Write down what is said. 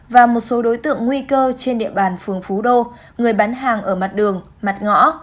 và một số đối tượng nguy cơ trên địa bàn phường phú đô người bán hàng ở mặt đường mặt ngõ